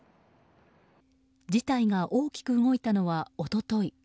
事態が大きく動いたのは一昨日。